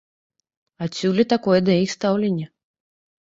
Адсюль і такое да іх стаўленне.